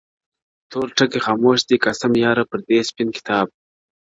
تور ټکي خاموش دي قاسم یاره پر دې سپین کتاب,